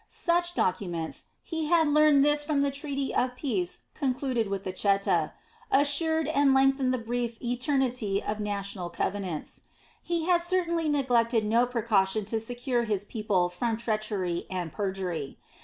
Such documents he had learned this from the treaty of peace concluded with the Cheta assured and lengthened the brief "eternity" of national covenants. He had certainly neglected no precaution to secure his people from treachery and perjury.